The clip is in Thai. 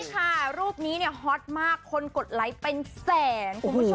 ใช่ค่ะรูปนี้เนี่ยฮอตมากคนกดไลค์เป็นแสนคุณผู้ชม